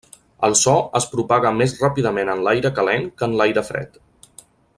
El so es propaga més ràpidament en l'aire calent que en l'aire fred.